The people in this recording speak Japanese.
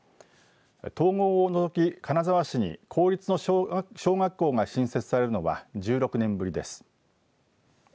統合を除き金沢市に公立の小学校が新設されるのは１６年ぶりです。